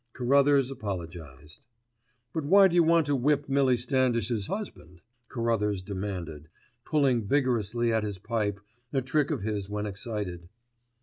Carruthers apologised. "But why do you want to whip Millie Standish's husband?" Carruthers demanded, pulling vigorously at his pipe, a trick of his when excited.